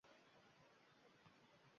Bekatda bo‘ldi.